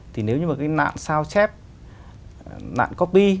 thì nếu như mà cái nạn sao chép nạn copy